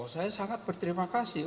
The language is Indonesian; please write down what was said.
saya sangat berterima kasih